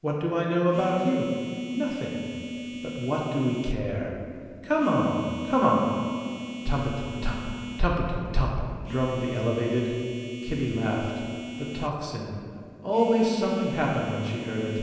What do I know about you? Nothing. But what do we care? Come on, come on!" Tumpitum tump! tumpitum tump! drummed the Elevated. Kitty laughed. The tocsin! Always something happened when she heard it.